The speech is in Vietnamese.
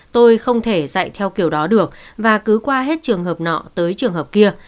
tôi không thể dạy theo kiểu đó được và cứ qua hết trường hợp nọ tới trường hợp kia